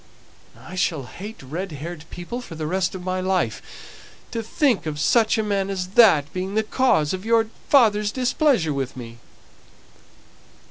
I shall hate red haired people for the rest of my life. To think of such a man as that being the cause of your father's displeasure with me!"